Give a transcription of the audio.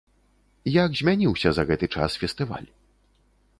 Як змяніўся за гэты час фестываль?